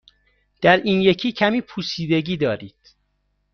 در این یکی کمی پوسیدگی دارید.